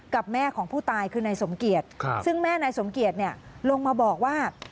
แม่ของผู้ตายคือนายสมเกียจซึ่งแม่นายสมเกียจลงมาบอกว่า